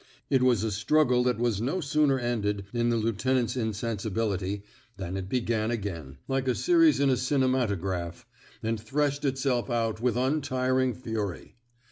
It was a struggle that was no sooner ended, in the lieutenant's insensi bility, than it began again, like a series in a cinematograph, and threshed itself out with untiring fury.